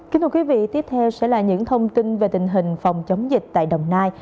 kính thưa quý vị tiếp theo sẽ là những thông tin về tình hình phòng chống dịch tại đồng nai